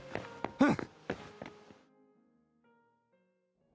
うん！